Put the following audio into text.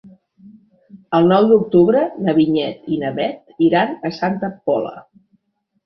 El nou d'octubre na Vinyet i na Bet iran a Santa Pola.